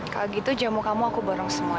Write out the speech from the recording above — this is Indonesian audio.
kalau gitu jamu kamu aku borong semua